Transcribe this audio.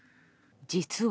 実は。